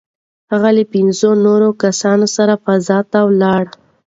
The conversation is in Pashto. هغې له پنځو نورو کسانو سره فضا ته ولاړه.